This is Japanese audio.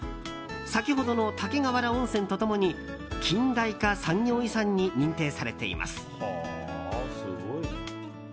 先ほどの竹瓦温泉と共に近代化産業遺産に認定されています。